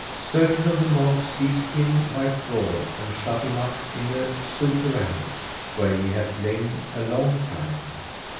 Certain of the monks seized him by fraud and shut him up in a souterrain where he hath lain a long time.